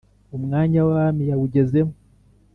Umwanya w’abami yawugezemo,